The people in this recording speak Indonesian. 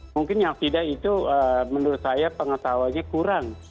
mungkin yang tidak itu menurut saya pengetahuannya kurang